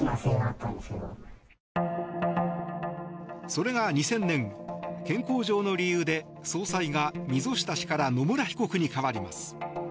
それが２０００年健康上の理由で総裁が溝下氏から野村被告に代わります。